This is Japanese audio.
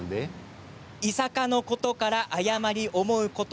いさかのことから誤り思うこと